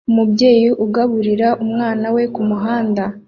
Umubyeyi ugaburira umwana we kumuhanda